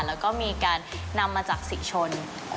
แล้วก็มีการนำมาจากสิชน